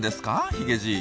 ヒゲじい。